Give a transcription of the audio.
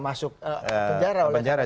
masuk penjara oleh kpk